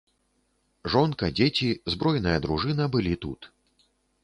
Жонка, дзеці, збройная дружына былі тут.